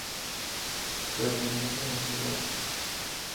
Pertenece a la ciudad.